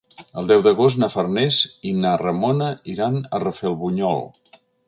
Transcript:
El deu d'agost na Farners i na Ramona iran a Rafelbunyol.